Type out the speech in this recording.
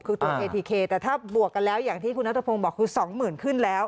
คือตัวเคทีเคแต่ถ้าบวกกันแล้วอย่างที่คุณนัทพงศ์บอกคือ๒๐๐๐ขึ้นแล้ว